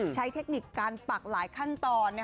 ใช้เทคนิคการปักหลายขั้นตอนนะฮะ